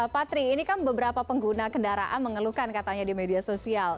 patri ini kan beberapa pengguna kendaraan mengeluhkan katanya di media sosial